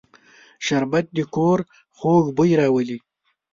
شربت د کور خوږ بوی راولي